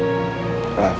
ibu kamu sudah meninggal